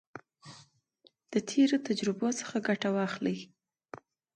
د تیرو تجربو څخه ګټه واخلئ.